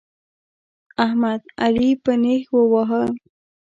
احمد؛ علي په نېښ وواهه.